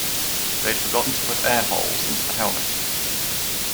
They'd forgotten to put air holes into the helmet.